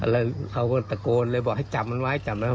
แล้วเขาก็ตะโกนเลยบอกให้จับมันไว้จับแล้ว